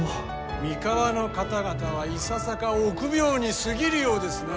三河の方々はいささか臆病に過ぎるようですなあ。